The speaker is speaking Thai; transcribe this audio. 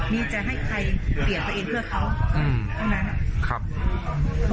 มีจะให้ใครเปลี่ยนตัวเองเพื่อเขา